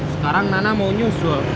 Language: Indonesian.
sekarang nana mau nyusul